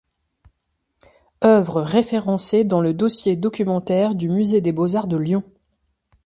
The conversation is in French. Œuvres référencées dans le dossier documentaire du musée des beaux-arts de Lyon.